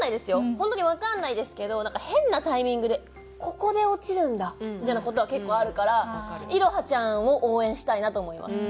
ホントにわからないですけどなんか変なタイミングで「ここで落ちるんだ」みたいな事は結構あるからイロハちゃんを応援したいなと思います。